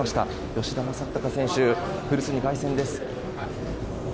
吉田正尚選手古巣に凱旋です。